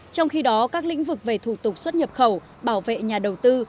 trong khi đó các lĩnh vực về thủ tục xuất nhập khẩu bảo vệ nhà đầu tư